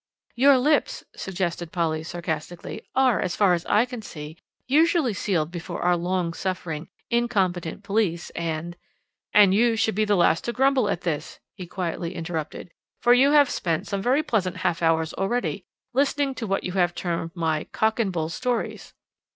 "Your lips," suggested Polly sarcastically, "are, as far as I can see, usually sealed before our long suffering, incompetent police and " "And you should be the last to grumble at this," he quietly interrupted, "for you have spent some very pleasant half hours already, listening to what you have termed my 'cock and bull' stories.